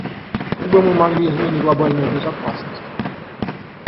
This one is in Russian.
Как бы мы могли изменить глобальную безопасность?